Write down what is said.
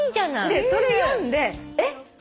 でそれ読んでえっ。